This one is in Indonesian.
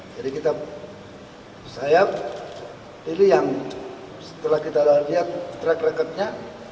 jadi kita saya pilih yang setelah kita lihat track recordnya